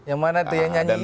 yang mana itu ya nyanyi